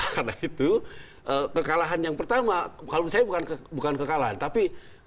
karena itu kekalahan yang pertama kalau menurut saya bukan kekalahan tapi